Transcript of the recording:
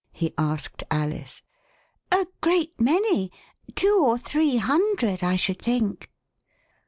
he asked Alice. "A great many — two or three hundred, I should think."